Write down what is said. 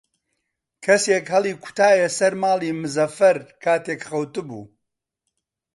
کەسێک هەڵی کوتایە سەر ماڵی مزەفەر کاتێک خەوتبوو.